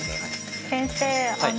先生